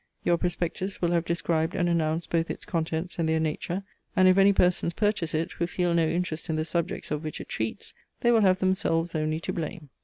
Your prospectus will have described and announced both its contents and their nature; and if any persons purchase it, who feel no interest in the subjects of which it treats, they will have themselves only to blame.